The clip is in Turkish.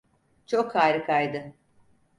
Çok harikaydı.